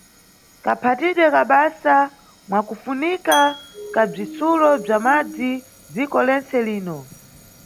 Kaphatidwe ka basa mwakufunika ka bzitsulo bza madzi nʼdziko lentse lino.